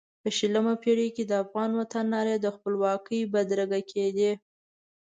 په شلمه پېړۍ کې د افغان وطن نارې د خپلواکۍ بدرګه کېدې.